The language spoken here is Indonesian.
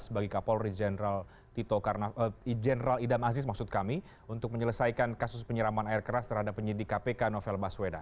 bagi kapolri jenderal idam aziz untuk menyelesaikan kasus penyerangan air keras terhadap penyidik kpk novel baswedan